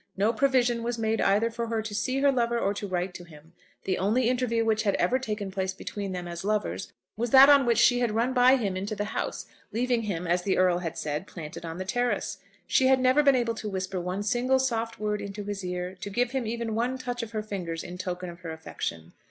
No provision was made either for her to see her lover or to write to him. The only interview which had ever taken place between them as lovers was that on which she had run by him into the house, leaving him, as the Earl had said, planted on the terrace. She had never been able to whisper one single soft word into his ear, to give him even one touch of her fingers in token of her affection.